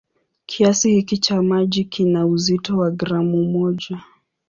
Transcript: Kiasi hiki cha maji kina uzito wa gramu moja.